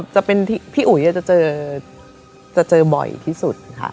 จะเป็นพี่อุ๋ยจะเจอบ่อยที่สุดค่ะ